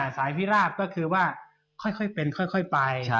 สายพิราบก็คือว่าค่อยเป็นค่อยไป